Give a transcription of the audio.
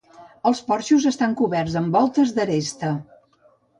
Els porxos estan coberts amb voltes d'aresta.